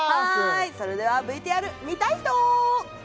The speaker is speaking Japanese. はいそれではＶＴＲ見たい人？